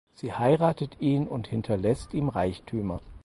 Sie heiratet ihn und hinterlässt ihm Reichtümer.